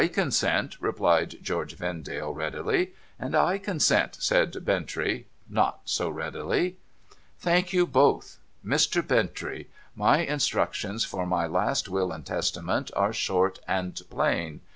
'/consent,' replied George Vendale, readily. ' /consent,' said Bintrey, not so readily. ' Thank you both. Mr. Bintrey, my instructions for my last will and testament are short and plain.